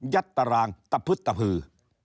ตารางตะพึดตะพือ